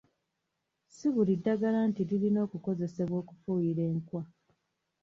Si buli ddagala nti lirina okukozesebwa okufuuyira enkwa.